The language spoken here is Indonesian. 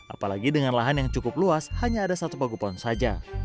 apalagi dengan lahan yang cukup luas hanya ada satu pagupon saja